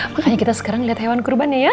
makanya kita sekarang liat hewan kurban ya ya